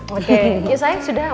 oke yuk sayang sudah